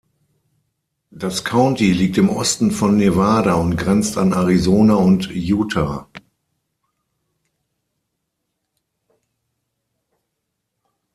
Das County liegt im Osten von Nevada und grenzt an Arizona und Utah.